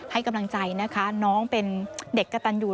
ให้กำลังใจนะคะน้องเป็นเด็กกระตันอยู่